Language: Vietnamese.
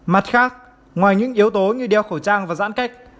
mặt khác ngoài những yếu tố như đeo khẩu trang và giãn cách